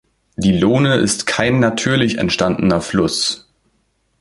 Die Lohne ist kein natürlich entstandener Fluss.